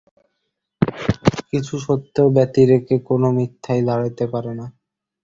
কিছু সত্য ব্যতিরেকে কোন মিথ্যাই দাঁড়াইতে পারে না।